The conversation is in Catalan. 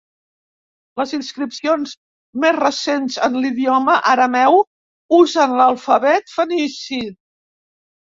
Les inscripcions més recents en l'idioma arameu usen l'alfabet fenici.